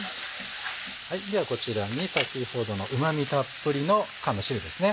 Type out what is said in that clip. ではこちらに先ほどのうま味たっぷりの缶の汁です。